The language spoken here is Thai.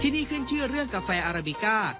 ที่นี่ขึ้นชื่อเรื่องกาแฟอาราบิก้า